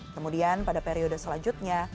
kemudian pada periode selanjutnya